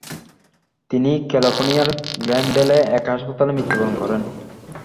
তিনি ক্যালিফোর্নিয়ার গ্লেনডেলে এক হাসপাতালে মৃত্যুবরণ করেন।